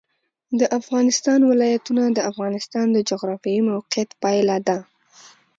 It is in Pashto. د افغانستان ولايتونه د افغانستان د جغرافیایي موقیعت پایله ده.